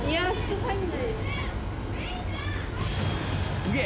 すげえ。